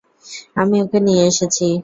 আমি ওকে নিয়ে এসেছি।